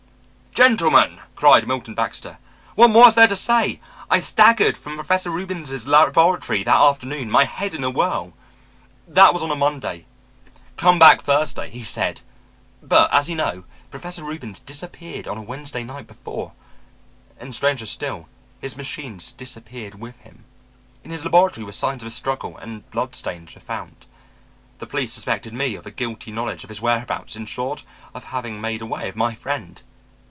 "Gentlemen!" cried Milton Baxter, "what more is there to say? I staggered from Professor Reubens' laboratory that afternoon, my head in a whirl. That was on a Monday. "'Come back Thursday,' he said. "But as you know, Professor Reubens disappeared on a Wednesday night before; and stranger still, his machines disappeared with him. In his laboratory were signs of a struggle, and bloodstains were found. The police suspected me of a guilty knowledge of his whereabouts, in short of having made away with my friend.